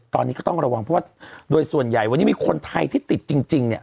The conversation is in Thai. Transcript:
ตอนนี้ก็ต้องระวังเพราะว่าโดยส่วนใหญ่วันนี้มีคนไทยที่ติดจริงเนี่ย